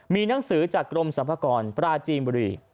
มีหนังสือจากกรมสรรพากรปราจีนบุรี